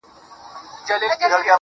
نوبت به يې مراعتاوه